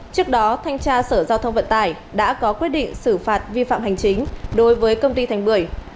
trước đó thanh tra sở giao thông vận tải đã có quyết định xử phạt vi phạm hành chính đối với công ty thành bưởi